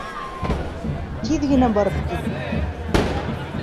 Тиҙ генә барып кил!